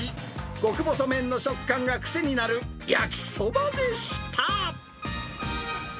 極細麺の食感が癖になる焼きそばでした。